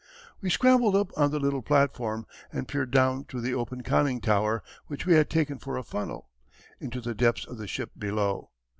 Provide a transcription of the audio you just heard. We scrambled up on the little platform, and peered down through the open conning tower, which we had taken for a funnel, into the depths of the ship below.